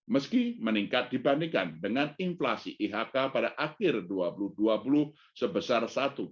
meski meningkat dibandingkan dengan inflasi ihk pada akhir dua ribu dua puluh sebesar satu dua